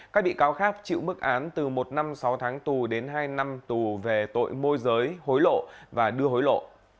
các bị cáo khác chịu mức án từ một năm sáu tháng tù đến hai năm tù về tội môi giới hối lộ và đưa hối lộ